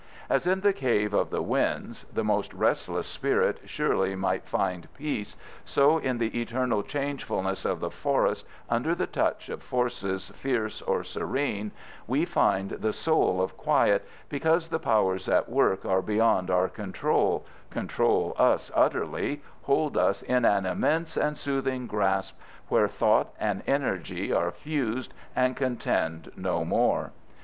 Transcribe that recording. As in the Cave of the Winds the most restless spirit surely might find peace, so in the eternal changefulness of the forest under the touch of forces fierce or serene we find the soul of quiet because the powers at work are beyond our control, control us utterly, hold us in an immense and soothing grasp where thought and energy are fused and contend no more.